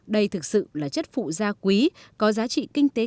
đây thực sự là chất phụ gia quý có giá trị kinh tế